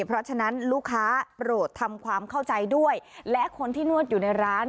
เพราะฉะนั้นลูกค้าโปรดทำความเข้าใจด้วยและคนที่นวดอยู่ในร้าน